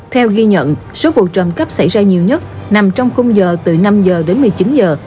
theo ghi nhận số vụ trộm cắp xảy ra nhiều nhất nằm trong khung giờ từ năm giờ đến một mươi chín giờ